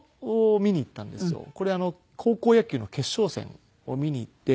これ高校野球の決勝戦を見に行って。